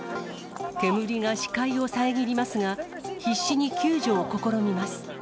煙が視界を遮りますが、必死に救助を試みます。